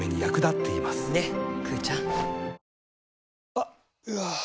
あっ、うわー。